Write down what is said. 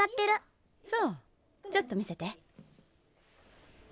そうちょっと見せて。